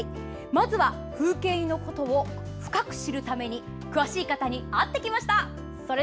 まずは、風景印のことを深く知るために詳しい方に会ってきました。